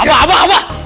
abah abah abah